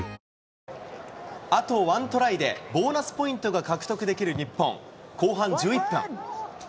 あと１トライで、ボーナスポイントが獲得できる日本。